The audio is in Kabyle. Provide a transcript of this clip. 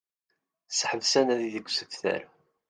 Seḥbes anadi deg usebter